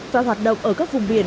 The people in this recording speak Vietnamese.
và hoạt động ở các vùng biển